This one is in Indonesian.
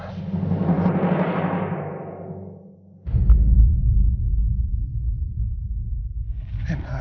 renan lebih sini